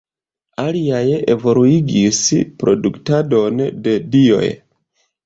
Aliaj evoluigis produktadon de dioj.